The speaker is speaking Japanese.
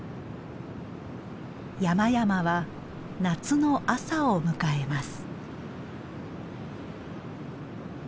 山々は夏の朝を迎えます。